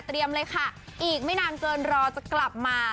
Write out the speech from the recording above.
เลยค่ะอีกไม่นานเกินรอจะกลับมา